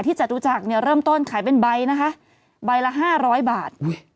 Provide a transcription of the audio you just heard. จตุจักรเนี่ยเริ่มต้นขายเป็นใบนะคะใบละ๕๐๐บาท